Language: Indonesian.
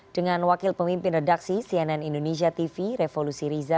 dengan wakil pemimpin redaksi cnn indonesia tv revolusi riza